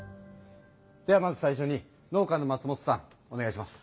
ではまず最初に農家の松本さんお願いします。